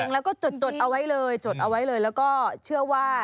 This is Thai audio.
ไปเล็งแล้วก็จดเอาไว้เลยแล้วก็เชื่อว่า